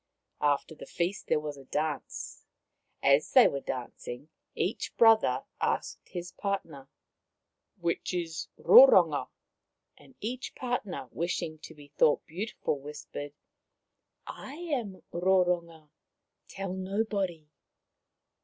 After the feast there was a dance. As they were dancing each brother asked his partner, The Most Beautiful Maiden 179 11 Which is Roronga ?" and each partner, wish ing to be thought beautiful, whispered :" I am Roronga. Tell nobody.''